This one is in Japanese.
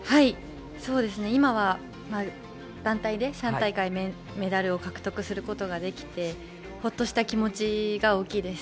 今は団体で３大会メダルを獲得することができてほっとした気持ちが大きいです。